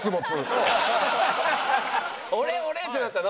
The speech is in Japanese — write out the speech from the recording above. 俺俺！ってなったの？